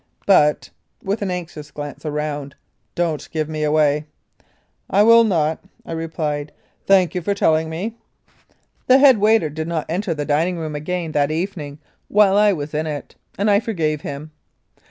But (with an anxious glance around) don't give me away." "I will not," I replied; "thank you for telling me." The head waiter did not enter the 82 1898 1902. Lethbridge and Macleod dining room again that evening while I was in it, and I forgave him.